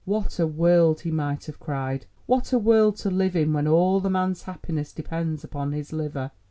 "What a world," he might have cried, "what a world to live in when all the man's happiness depends upon his liver!"